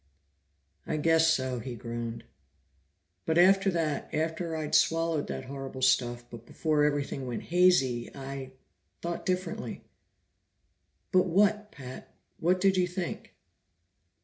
"I guess so," he groaned. "But after that, after I'd swallowed that horrible stuff, but before everything went hazy, I thought differently." "But what, Pat? What did you think?"